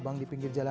ini sudah beku